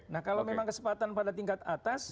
nah kalau memang kesempatan pada tingkat atas